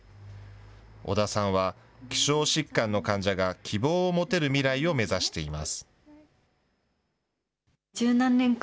織田さんは、希少疾患の患者が希望を持てる未来を目指しています。